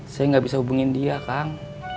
saya nggak bisa hubungin dia kang